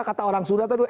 kata orang surata itu